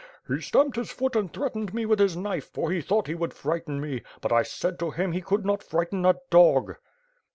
He stamped his foot and threatened me with his knife for he thought he would frighten me; but I said to him he could not frighten a dog."